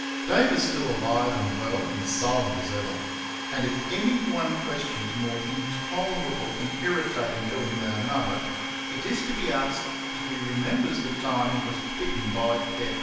Dave is still alive and well, and silent as ever; and if any one question is more intolerable and irritating to him than another, it is to be asked if he remembers the time he was bitten by deaf adder.